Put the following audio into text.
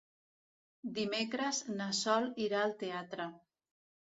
Dimecres na Sol irà al teatre.